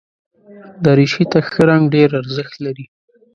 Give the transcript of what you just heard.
دریشي ته ښه رنګ ډېر ارزښت لري.